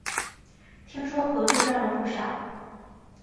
听说隔壁赚了不少